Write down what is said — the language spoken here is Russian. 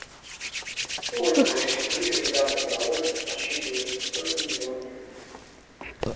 Сегодня во всем мире в рядах добровольцев насчитывается сотни миллионов людей.